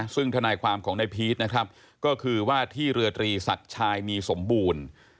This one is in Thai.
ซึ่งทนายความของนายพีชนะครับก็คือว่าที่เรือตรีศักดิ์ชายมีสมบูรณ์